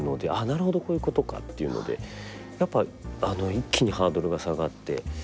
なるほどこういうことかというのでやっぱり一気にハードルが下がって。